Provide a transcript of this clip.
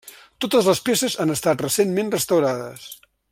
Totes les peces han estat recentment restaurades.